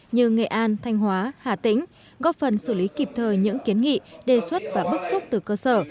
như nghệ an thanh hóa hà tĩnh góp phần xử lý kịp thời những kiến nghị đề xuất và bức xúc từ cơ sở